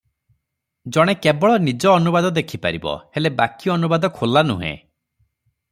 ଜଣେ କେବଳ ନିଜ ଅନୁବାଦ ଦେଖିପାରିବ ହେଲେ ବାକି ଅନୁବାଦ ଖୋଲା ନୁହେଁ ।